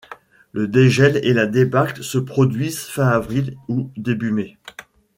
Le dégel et la débâcle se produisent fin avril ou début mai.